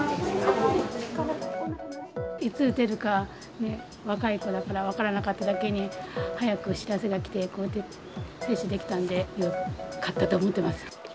いつ打てるか、若い子だから分からなかっただけに、早く知らせが来て、接種できたんでよかったと思ってます。